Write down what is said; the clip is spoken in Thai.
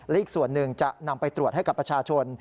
อีกส่วนหนึ่งจะนำไปตรวจให้กับประชาชน